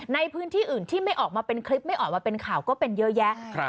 ในพื้นที่อื่นที่ไม่ออกมาเป็นคลิปไม่ออกมาเป็นข่าวก็เป็นเยอะแยะ